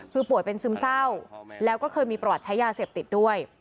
คือป่วยเป็นซึมเศร้าแล้วก็เคยมีประวัติใช้ยาเสพติดด้วย